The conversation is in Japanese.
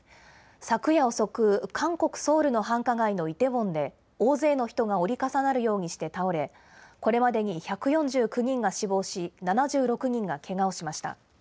昨夜遅く、韓国・ソウルの繁華街のイテウォンで、大勢の人が折り重なるようにして倒れ、これまでに１４９人が死亡し、７６人がけがをしました。